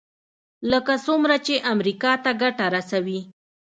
لکه څومره چې امریکا ته ګټه رسوي.